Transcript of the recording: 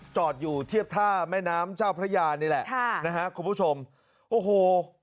จอดอยู่เทียบท่าแม่น้ำเจ้าพระยานี่แหละค่ะนะฮะคุณผู้ชมโอ้โห